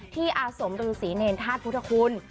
ที่อาสมรือศรีในอันทาสพุทธคุณ